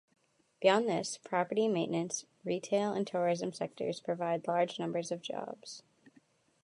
Beyond this, property maintenance, retail and tourism sectors provide large numbers of jobs.